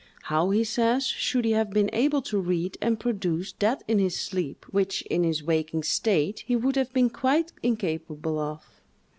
How, he says, should he have been able to read and produce that in his sleep, which, in his waking state, he would have been quite incapable of?